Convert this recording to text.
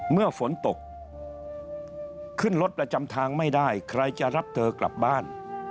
เมื่อฝนตกขึ้นรถประจำทางไม่ได้ใครจะรับเธอกลับบ้าน